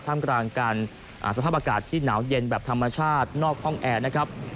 มกลางการสภาพอากาศที่หนาวเย็นแบบธรรมชาตินอกห้องแอร์นะครับ